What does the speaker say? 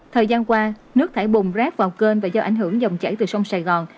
thời gian qua nước thải bùng rác vào kênh và do ảnh hưởng dòng chảy từ sông sài gòn